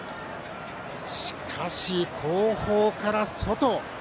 しかし後方から外。